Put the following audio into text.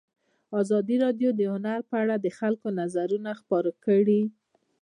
ازادي راډیو د هنر په اړه د خلکو نظرونه خپاره کړي.